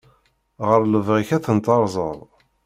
Ɣer lebɣi-k ad ten-tarzeḍ.